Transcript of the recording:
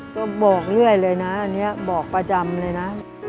ก็บอกเรื่อยเลยนะอันนี้บอกประจำเลยนะ